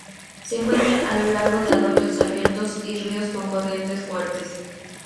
Se encuentra a lo largo de arroyos abiertos y ríos con corrientes fuertes.